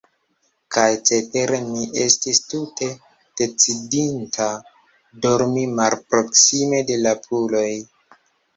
Kaj cetere, mi estis tute decidinta, dormi malproksime de la puloj.